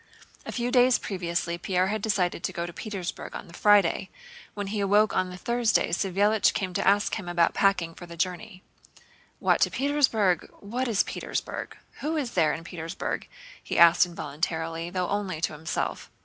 A few days previously Pierre had decided to go to Petersburg on the Friday. When he awoke on the Thursday, Savélich came to ask him about packing for the journey. "What, to Petersburg? What is Petersburg? Who is there in Petersburg?" he asked involuntarily, though only to himself.